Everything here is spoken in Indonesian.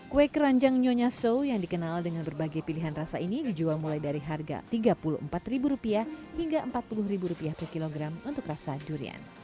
kue keranjang nyonya so yang dikenal dengan berbagai pilihan rasa ini dijual mulai dari harga rp tiga puluh empat hingga rp empat puluh per kilogram untuk rasa durian